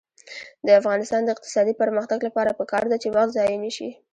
د افغانستان د اقتصادي پرمختګ لپاره پکار ده چې وخت ضایع نشي.